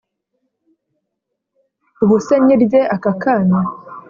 ubuse nyirye aka kanya